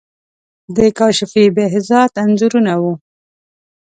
د کاشفی، بهزاد انځورونه وو.